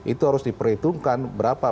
itu harus diperhitungkan berapa